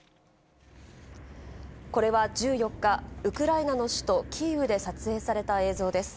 これは１４日、ウクライナの首都キーウで撮影された映像です。